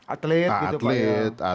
atlet gitu pak ya